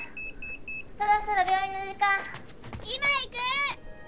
そろそろ病院の時間今行く！